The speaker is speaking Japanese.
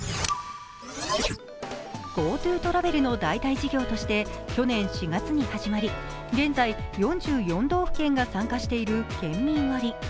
ＧｏＴｏトラベルの代替事業として去年４月に始まり、現在、４４道府県が参加している県民割。